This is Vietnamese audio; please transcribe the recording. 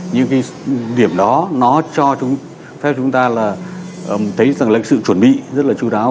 những cái điểm đó nó cho chúng ta là thấy rằng là sự chuẩn bị rất là chú đáo